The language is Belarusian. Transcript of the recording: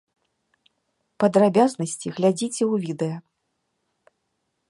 Падрабязнасці глядзіце ў відэа!